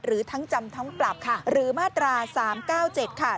หรือทั้งจำทั้งปรับหรือมาตรา๓๙๗ค่ะ